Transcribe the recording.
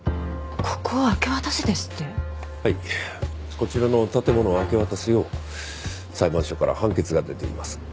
こちらの建物を明け渡すよう裁判所から判決が出ています。